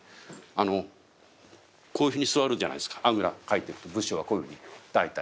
あのこういうふうに座るじゃないですかあぐらかいて武士はこういうふうに大体。